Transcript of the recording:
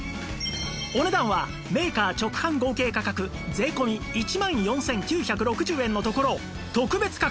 お値段はメーカー直販合計価格税込１万４９６０円のところ特別価格